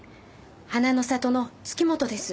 花の里の月本です。